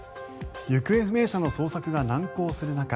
行方不明者の捜索が難航する中